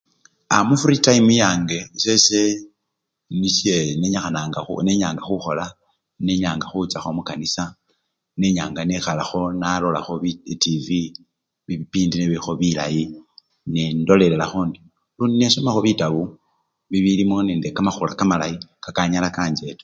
A! mufrii tayimu yange esese nisye nenyikhan! nenyanga khukhola, nenyanga khuchakho mukanisa nenyanga nekhalakho nalolakho bi! itivwi, bipindi nebilikho bilayi nee! ndolelelakho endyo lundi nesomakho bitabo bibilimo nende kamakhula kamalayi kakanyala kancheta.